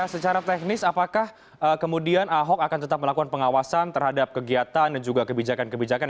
secara teknis apakah kemudian ahok akan tetap melakukan pengawasan terhadap kegiatan dan juga kebijakan kebijakan